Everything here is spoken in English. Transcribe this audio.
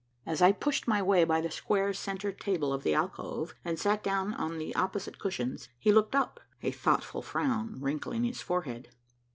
As I pushed my way by the square centre table of the alcove and sank down on the opposite cushions, he looked up, a thoughtful frown wrinkling his forehead.